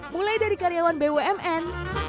mulai dari karyawan bumn